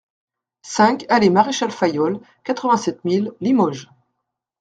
cinq alléE Maréchal Fayolle, quatre-vingt-sept mille Limoges